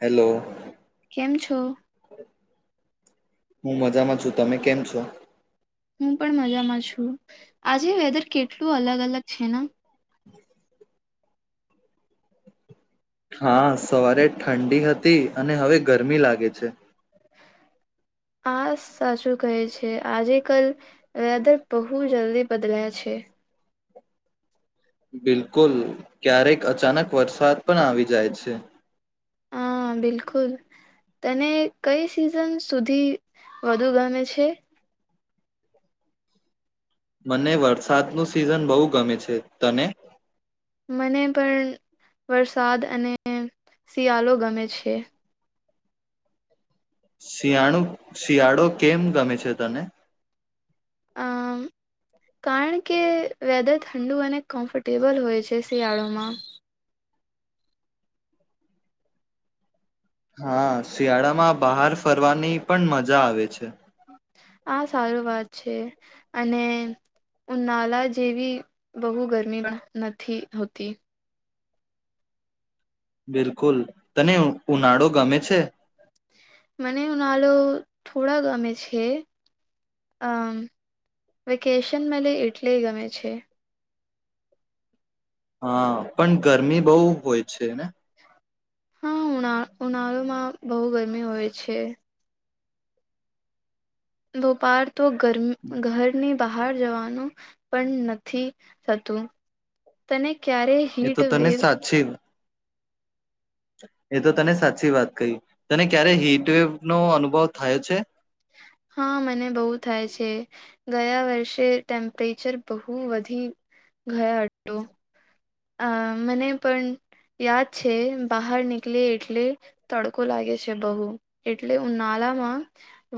Hello. કેમ છો? હું મજામાં છું. તમે કેમ છો? હુ પણ મજામાં છું આજે વેધર કેટલું અલગ અલગ છે ન. હમ હા સવારે ઠંડી હતી અને હવે ગરમી લાગે છે. આ સાચું કહે છે. આજે કલ વેધર બહુ જલ્દી બદલાયા છે. બિલકુલ ક્યારેક અચાનક વરસાદ પણ આવી જાય છે. હા બિલકુલ તને કઈ સિઝન સુધી વધુ ગમે છે? મને વરસાદ નું સિઝન બહુ ગમે છે તને? મને પલ વરસાદ અને શિયાલો ગમે છે. શિયાળુ શિયાળો કેમ ગમે છે તને. અમ કારણ કે વેધર ઠંડુ અને કમ્ફર્ટેબલ હોય છે શિયાળોમાં. હા શિયાળામાં બહાર ફરવાની પણ મજા આવે છે. આ સારું વાત છે અને ઉનાલા જેવી બહુ ગરમી નથી હોતી. બિલકુલ તને ઉનાળો ગમે છે? મને ઉનાલો થોડા ગમે છે, અમ વેકેશન મલે એટલે ગમે છે. હા પણ ગરમી બહુ હોય છે ને. હા ઉના ઉનાળો માં બહુ ગરમી હોય છે. દોપાર તો ગરમ ઘરની પહાર જવાનું પણ નથી થતું તને ક્યારે એ તો હીટ તને વેવ સાચે એ તો તને સાચી વાત કહી. તને ક્યારે હીટવેવ નો અનુભવ થયો છે? હા મને બહુ થાય છે ગયા વર્ષે ટેમ્પરેચર બહું વધી ગયા હતું. અ મને પણ યાદ છે બહાર નીકલે એટલે તડકો લાગે છે બહુ એટલે ઉનાલામાં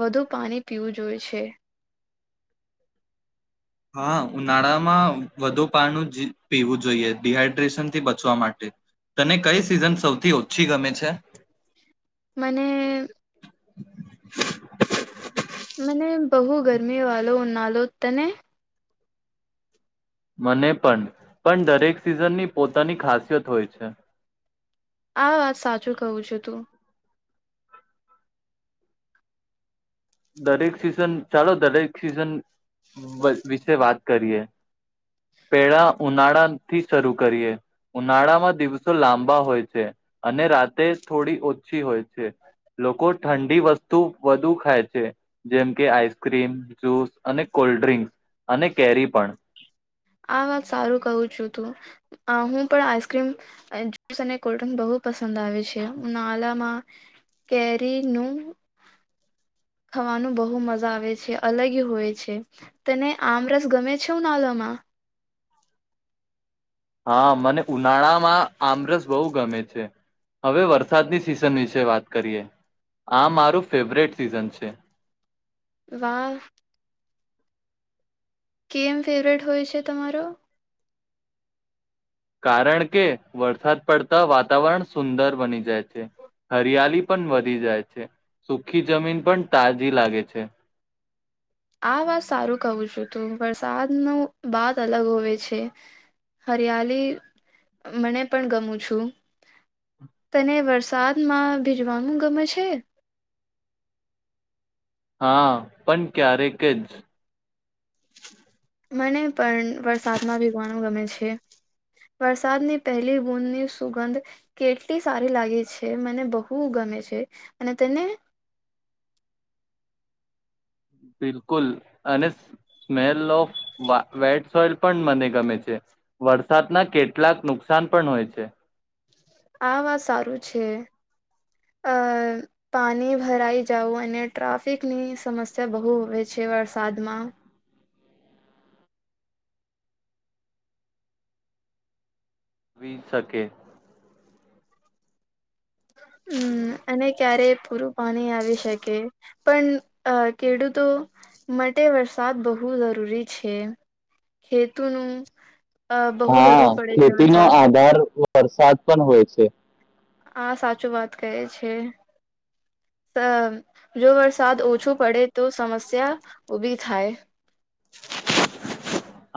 વધુ પાણી પીવું જોએ છે. હા ઉનાળામાં વધુ પાનું જ પીવું જોઈએ ડિહાઈડ્રેશનથી બચવા માટે તને કઈ સિઝન સૌથી ઓછી ગમે છે? મને [inaudible] મને બહુ ગરમી વાલો ઉનાલો તને? મને પણ પણ દરેક સિઝનની પોતાની ખાસિયત હોય છે. આ વાત સાચું કહું છું તું. દરેક સિઝન ચાલો દરેક સિઝન બ વિશે વાત કરીએ. પેળા ઉનાળા થી શરૂ કરીએ. ઉનાળામાં દિવસો લાંબા હોય છે, અને રાતે થોડી ઓછી હોય છે લોકો ઠંડી વસ્તુ વધુ ખાય. છે જેમ કે આઈસ્ક્રીમ, જુસ અને કોલ્ડ ડ્રિંક્સ. અને કેરી પણ. આ વાત સારું કહું છું તું આ હું પણ આઈસ્ક્રીમ જુસ અને કોલ્ડ ડ્રિંક બહુ પસંદ આવે છે. ઉનાલામાં કેરીનું ખાવાનું બહુ મજા આવે છે, અલગ હોય છે. તને આમરસ ગમે છે ઉનાલામાં? હા મને ઉનાળામાં આમરસ બહુ ગમે છે. હવે વરસાદની સિઝન વિશે વાત કરીએ, આ મારું ફેવરેટ સિઝન છે વાહ. કેમ ફેવરેટ હોય છે તમારો? કારણ કે વરસાદ પડતા વાતાવરણ સુંદર બની જાય છે. હરિયાળ પણ વધી જાય છે, સુખી જમીન પણ તાજી લાગે છે. આ વાત સારું કહું છું તું વરસાદ ન બાત અલગ હોવે છે હરિયાળ મને પણ ગમું છું, તને વરસાદમાં ભીજવાનું ગમે છે? હા પણ ક્યારેક જ. મને પણ વરસાદમાં ભીગવાનું ગમે છે. વરસાદની પહેલી બૂદની સુગંધ કેટલી સારી લાગી છે મને બહુ ગમે છે અને તને? બિલકુલ અને સ્મેલ ઓફ વેટ સોઇલ પણ મને ગમે છે, વરસાદના કેટલાક નુકસાન પણ હોય છે. આ વાત સારું છે અ પાણી ભરાઈ જવ અને ટ્રાફિકની સમસ્યા બહુ હ છે વરસાદમાં. વિ શકે. હમ્મ અને ક્યારે. પૂરું પાણી આવી શકે પણ ખેડૂતો માટે વરસાદ બહુ જરૂરી છે, ખેતુનું. અ, બહુ હા જરૂર પડે છે ખેતીનો વરસાદ આધાર વરસાદ પણ હોય છે. આ સાચું વાત કહે છે, જો વરસાદ ઓછું પડે તો સમસ્યા ઉભી થાય.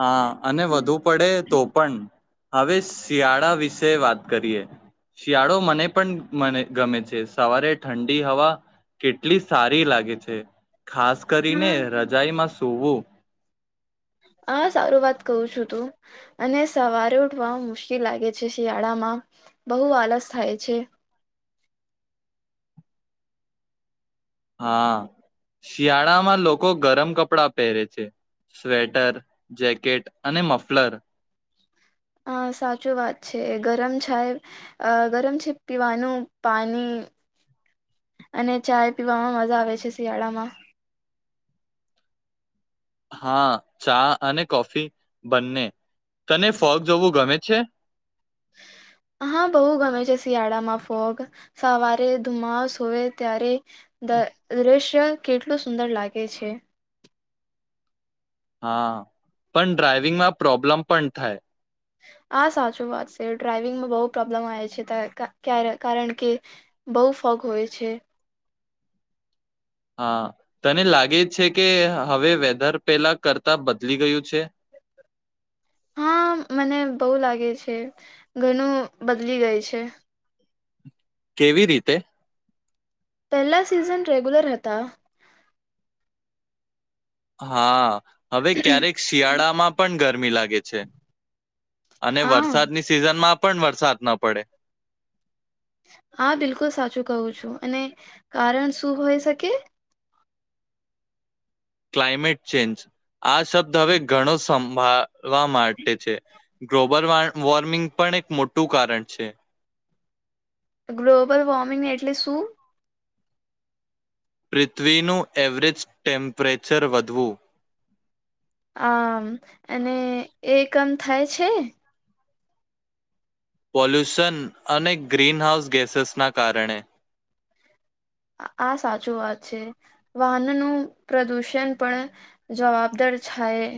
હા અને વધુ પડે તો પણ. હવે શિયાળા વિશે વાત કરીએ. શિયાળો મને પણ મને ગમે છે સવારે ઠંડી હવા કેટલી સારી લાગે છે. ખાસ કરીને હા રજાઈમાં શ [unintelligible] આ સારું વાત કહું છો તું, અને સવારે ઉઠવા મુશ્કિલ લાગે છે શિયાળામાં, બહુ આલસ થાય છે. હા શિયાળામાં લોકો ગરમ કપડા પહેરે છે, સ્વેટર, જેકેટ અને મફલર હા સાચું વાત છે. ગરમ છાય અહ ગરમ છે પીવાનું પાણી અને ચાય પીવામાં મજા આવે છે શિયાળામાં. હા ચા અને કોફી બંને. તને ફોગ જોવું ગમે છે? હા બહું ગમે છે શિયાળામાં ફોગ. સવારે ધુમાસ હોય ત્યારે દ રેશ [unintelligible] કેટલું સુંદર લાગે છે. હા પણ ડ્રાઈવિંગમાં પ્રોબ્લેમ પણ થાય. આ સાચું વાત સે. ડ્રાઈવિંગમાં બહુ પ્રોબ્લેમ આવે છે, તા કા ક્યા કારણ કે બહુ ફોગ હોયે છે. હા તને લાગે છે કે હવે વેધર પેલા કરતા બદલી ગયું છે? હા મને બહુ લાગે છે, ઘણું બદલી ગયું છે. કેવી રીતે? પહેલા સિઝન રેગ્યુલર હતા. હા. હવે ક્યારેક શિયાળામાં પણ ગરમી લાગે છે, અને હા વરસાદની સિઝનમાં પણ વરસાદ ન પડે. હા બિલકુલ સાચું કવું છું અને કારણ શું હોય શકે? Climate change. આ શબ્દ હવે ઘણો સંભા વા માટે છે. ગ્લોબલ વો વોર્મિંગ પણ એક મોટું કારણ છે. ગ્લોબલ વોર્મિંગ એટલે શું? પૃથ્વીનું એવરેજ ટેમ્પરેચર વધવું. આમ અને એમ થાય છે. પોલ્યુશન અને ગ્રીનહાઉસ ગેસેસના કારણે. આ સાચું વાત છે, વાહનનું પ્રદુષણ પણ જવાબદાર છાય.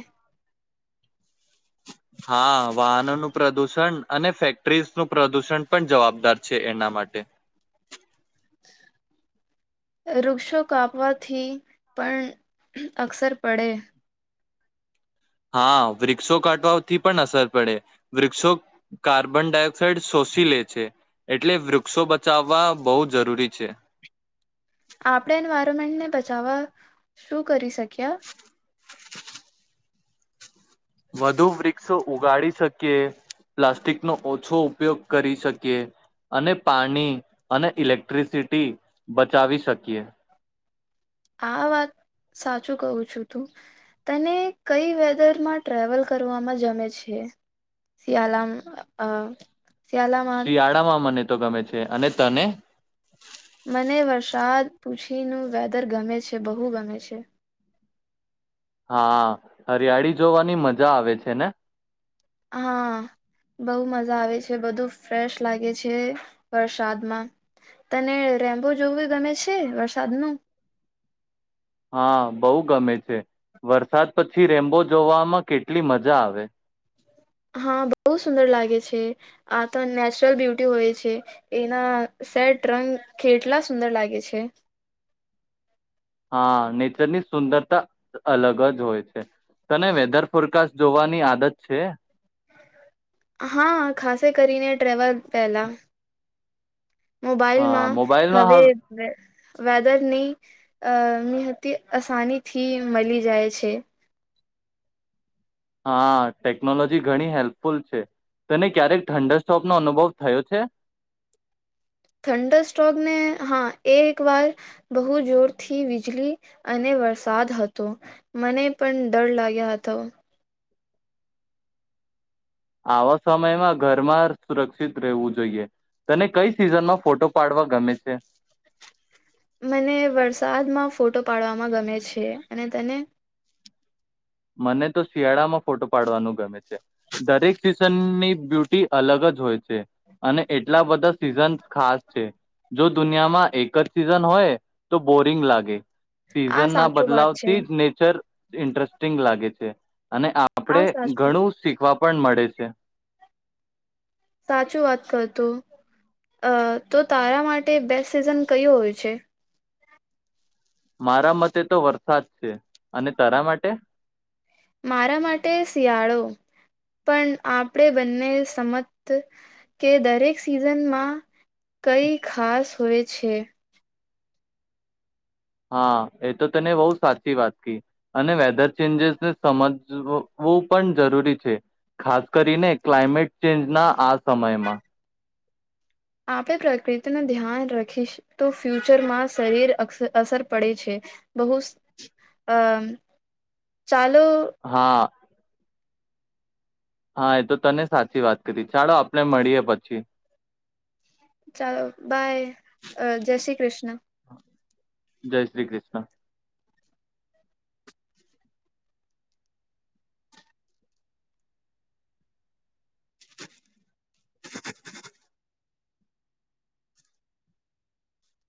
હા વાહનોનું પ્રદુષણ અને ફેક્ટરીઝ નું પ્રદુષણ પણ જવાબદાર છે એના માટે. વૃક્ષો કાપવાથી પણ અક્ષર પડે. હા વૃક્ષો કાટવાથી પણ અસર પડે વૃક્ષો કાર્બન ડાયોક્ સાઈડ શોષી લે છે. એટલે વૃક્ષો બચાવવા બહુ જરૂરી છે. આપણે એન્વાયરમેન્ટને બચાવવા શું કરી શક્યા? વધુ વૃક્ષો ઉગાડી શકીએ, પ્લાસ્ટિકનો ઓછો ઉપયોગ કરી શકીએ અને પાણી અને ઇલેક્ટ્રિસિટી બચાવી શકીએ. આ વાત સાચું કહું છું તું તને કઈ વેધરમાં ટ્રાવલ કરવામાં જમે છે શિયાળામાં અ શિયાળામાં મને તો ગમે છે અને તને? મને વરસાદ પૂછીનું વેધર ગમે છે, બહુ ગમે છે. હા હરિયાળી જોવાની મજા આવે છે ને? હા બઉ મજા આવે છે બધું ફ્રેશ લાગે છે વરસાદમાં, તને રેમ્બો જોવું ગમે છે વરસાદનું? હા બહ ગમે છે, વરસાદ પછી રેમ્બો જોવામાં કેટલી મજા આવે. હા બહ સુંદર લાગે છે આ તો નેચરલ બ્યુટી હોય છે, એના સેટ રંગ કેટલા સુંદર લાગે છે. હા નેચરની સુંદરતા અલગ જ હોય છે તને વેધર ફોરકાસ્ટ જોવાની આદત છે? હા ખાસ કરીને ટ્રેવલ પહેલા. હા મોબાઈલમાં મોબાઈલમાં હવે વેધરની અહ [unintelligible] આસાની થી મળી જાય છે. હા ટેકનોલોજી ઘણી હેલ્પફુલ છે. તને ક્યારેક ઠંડક સોપનો અનુભવ થયો છે? થઠંડર સ્ટોરને, હા એ એક વાર બહુ જોરથી વીજલી અને વરસાદ હતો. મને પણ ડર લાગ્યો હતો. આવા સમયમાં ઘરમાં સુરક્ષિત રહેવું જોઈએ, તને કઈ સિઝનમાં ફોટો પાડવા ગમે છે? સાદમાં ફોટો પાડવામાં ગમે છે. અને તને? મને તો શિયાળામાં ફોટો પાડવાનું ગમે છે. દરેક સિઝનની બ્યુટી અલગ જ હોય છે. છે અને એટલા બધા સીઝન ખાસ છે. જો દુનિયામાં એક જ સીઝન હોય તો બોરિંગ લાગે. આ સિઝન ના સાચું બદલાવ વાત છે થી જ નેચર ઈન્ટરસ્ટ સિંગ લાગે છે. અને આ આપડે સાચું ઘણું શીખવા પણ મળે છે. [unintelligible] સાચું વાત કરતું. અહ તો તારા માટે બેસ્ટ સિઝન કયું હોય છે? મારા મતે તો વરસાદ છે. અને તારા માટે? મારા માટે શિયાળો, પણ આપણે બંને સમત કે દરેક સિઝનમાં કંઈ ખાસ હોય છે. હા એ તો તને બહુ સાચી વાત કી અને વેધર ચેન્જિસને સમજવુંવુંપણ જરૂરી છે. ખાસ કરીને ક્લાયમેટ ચેન્જના આ સમયમાં. આપે પ્રકૃતિ નો ધ્યાન રાખીશ તો ફ્યુચરમાં શરીર અસ અસર પડે છે. બહુસ અહ સા હા. હા એ તો તને સાચી વાત કરી. ચાલો આપણે મળીએ પછી. ચાલો બાય જય શ્રી કૃષ્ણ. જય શ્રી કૃષ્ણ.